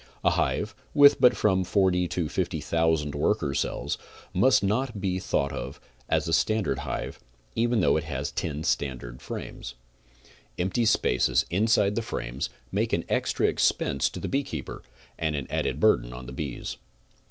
A hive with but from 40,000 to 50,000 worker cells must not be thought of as a standard hive, even though it has ten standard frames. CONSTRUCTIVE BEEKEEPING 13 Empty spaces inside the frames make an extra expense to the beekeeper, and an added burden on the bees.